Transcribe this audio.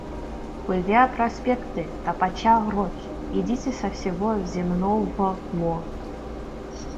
Пыля проспекты, топоча рожь, идите со всего земного лона.